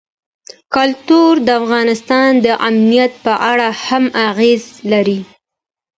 کلتور د افغانستان د امنیت په اړه هم اغېز لري.